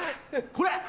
これ！